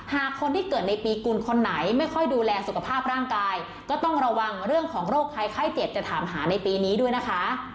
หากคนที่เกิดในปีกุลคนไหนไม่ค่อยดูแลสุขภาพร่างกายก็ต้องระวังเรื่องของโรคภัยไข้เจ็บจะถามหาในปีนี้ด้วยนะคะ